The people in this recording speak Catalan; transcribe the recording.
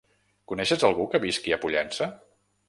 Coneixes algú que visqui a Pollença?